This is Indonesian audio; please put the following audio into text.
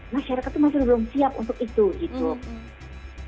masyarakat itu masih belum siap untuk itu